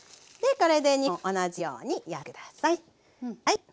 これで２本同じようにやってください。